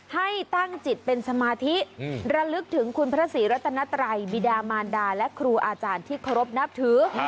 ให้ตั้งจิตเป็นสมาธิระลึกถึงคุณพระศรีรัตนไตรบิดามานดาและครูอาจารย์ที่เคารพนับถือ